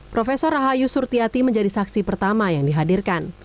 prof rahayu surtiati menjadi saksi pertama yang dihadirkan